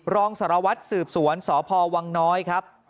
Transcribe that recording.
รองสารวัตรสืบสวนสพวังน้อยครับ